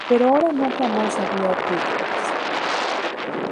Pero ahora nunca más habría Drifters.